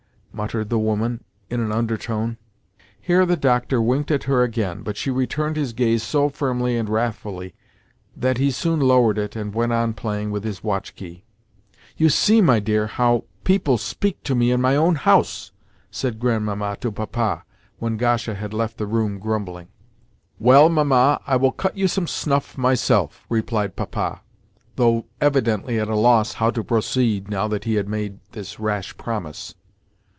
muttered the woman in an undertone. Here the doctor winked at her again, but she returned his gaze so firmly and wrathfully that he soon lowered it and went on playing with his watch key. "You see, my dear, how people speak to me in my own house!" said Grandmamma to Papa when Gasha had left the room grumbling. "Well, Mamma, I will cut you some snuff myself," replied Papa, though evidently at a loss how to proceed now that he had made this rash promise.